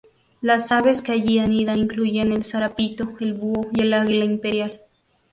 Las aves que allí anidan incluyen el zarapito, el búho y el águila imperial.